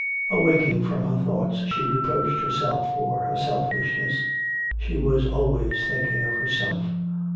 Awaking from her thoughts she reproached herself for her selfishness, she was always thinking of herself...